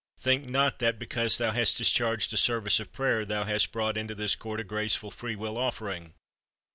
Think not that, because thou hast discharged a service of prayer, thou hast brought into this court a graceful free will offering.